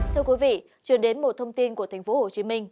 thưa quý vị chuyển đến một thông tin của tp hcm